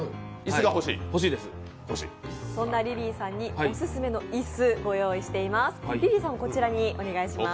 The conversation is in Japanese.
そんなリリーさんにオススメの椅子、ご用意いたしました。